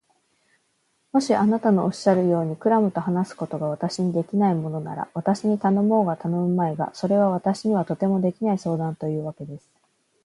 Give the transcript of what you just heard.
もしあなたのおっしゃるように、クラムと話すことが私にはできないものなら、私に頼もうが頼むまいが、それは私にはとてもできない相談というわけです。